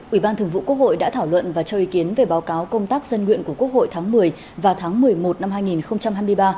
ủy ban thường vụ quốc hội đã thảo luận và cho ý kiến về báo cáo công tác dân nguyện của quốc hội tháng một mươi và tháng một mươi một năm hai nghìn hai mươi ba